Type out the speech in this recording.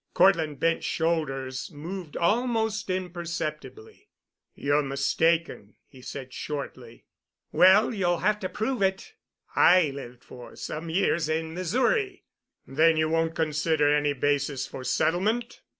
Cortland Bent's shoulders moved almost imperceptibly. "You're mistaken," he said shortly. "Well, you'll have to prove it. I lived for some years in Missouri." "Then you won't consider any basis for settlement?"